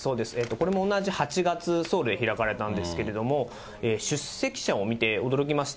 これも同じ８月、ソウルで開かれたんですけれども、出席者を見て驚きました。